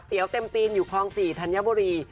เตี๋ยวเต็มตีนอยู่คลอง๔ธัญบุรี